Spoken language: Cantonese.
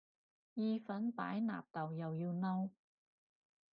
意粉擺納豆又要嬲